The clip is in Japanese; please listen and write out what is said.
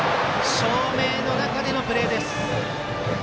照明の中でのプレーです。